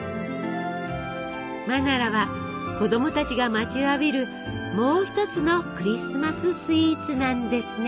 マナラは子どもたちが待ちわびるもう一つのクリスマススイーツなんですね。